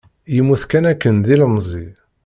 Yemmut kanakken d ilemẓi.